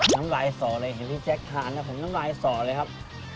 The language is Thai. น้ำลายส่อเลยเห็นพี่แจ๊คทานนะผมน้ำลายส่อเลยครับ